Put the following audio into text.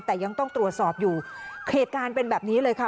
แต่ยังต้องตรวจสอบอยู่เหตุการณ์เป็นแบบนี้เลยค่ะ